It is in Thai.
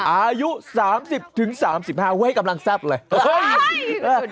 อายุ๓๐๓๕กำลังแซ่บเลย